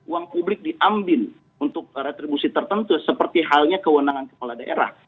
uang publik diambil untuk retribusi tertentu seperti halnya kewenangan kepala daerah